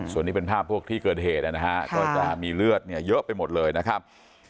ส่วนนี้เป็นภาพพวกที่เกิดเหตุนะฮะก็จะมีเลือดเนี่ยเยอะไปหมดเลยนะครับ